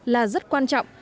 là rất quan trọng